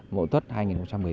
mỗi tuất hai trăm người